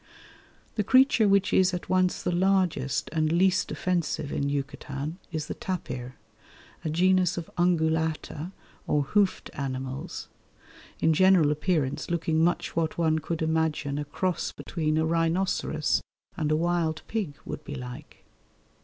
The creature which is at once the largest and least offensive in Yucatan is the tapir, a genus of Ungulata or hoofed animals, in general appearance looking much what one could imagine a cross between a rhinoceros and a wild pig would be like.